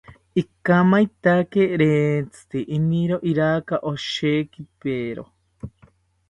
Ikamaetaki rentzite, iniro iraka oshekipero